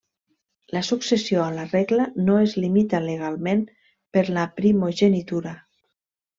La successió a la regla no es limita legalment per la primogenitura.